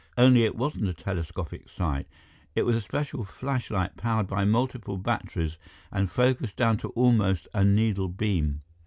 Only it wasn't a telescopic sight; it was a special flashlight powered by multiple batteries and focused down to almost a needle beam.